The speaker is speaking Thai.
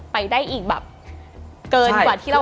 ไปได้อีกแบบเกินกว่าที่เรา